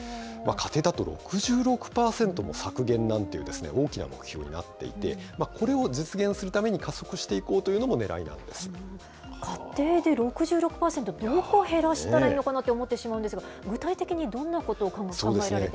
家庭だと６６％も削減なんていうですね、大きな目標になっていて、これを実現するために、加速していこうというのも、ねらいなんで家庭で６６％、どこを減らしたらいいのかな？と思ってしまうんですが、具体的にどんなことが考えられてるんですか。